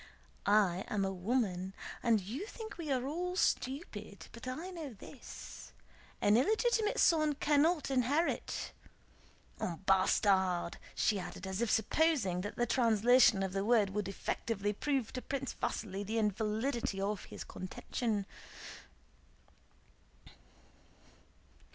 "I am a woman, and you think we are all stupid; but I know this: an illegitimate son cannot inherit... un bâtard!"* she added, as if supposing that this translation of the word would effectively prove to Prince Vasíli the invalidity of his contention.